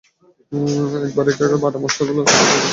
এবার একে একে বাটা মসলাগুলো দিয়ে আধা কাপ পানিসহ কষিয়ে নিন।